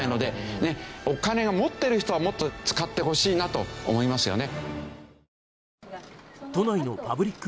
お金を持ってる人はもっと使ってほしいなと思いますよね。